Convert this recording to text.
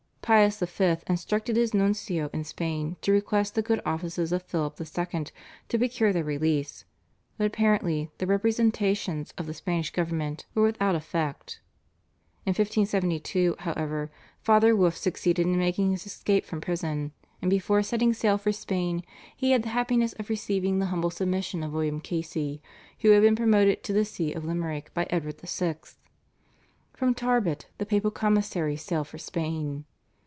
Pius V. instructed his nuncio in Spain to request the good offices of Philip II. to procure their release, but apparently the representations of the Spanish government were without effect. In 1572, however, Father Wolf succeeded in making his escape from prison, and before setting sail for Spain he had the happiness of receiving the humble submission of William Casey, who had been promoted to the See of Limerick by Edward VI. From Tarbet the papal commissary sailed for Spain.